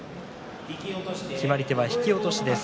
決まり手は引き落としです。